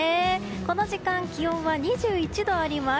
この時間、気温は２１度あります。